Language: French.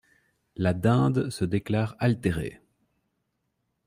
La Dinde se déclare altérée.